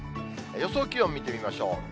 予想気温見てみましょう。